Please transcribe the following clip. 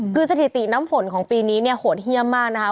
คือสถิติน้ำฝนของปีนี้เนี่ยโหดเยี่ยมมากนะคะ